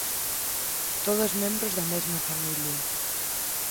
Todos membros da mesma familia.